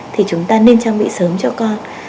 thì chúng ta nên trang bị sớm cho con